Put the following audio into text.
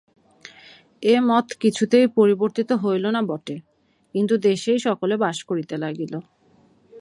এ মত কিছুতেই পরিবর্তিত হইল না বটে, কিন্তু দেশেই সকলে বাস করিতে লাগিল।